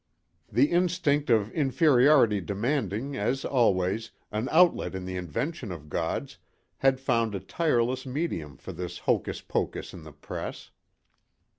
The instinct of inferiority demanding, as always, an outlet in the invention of gods, had found a tireless medium for this hocus pocus in the press.